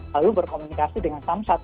lalu berkomunikasi dengan samsat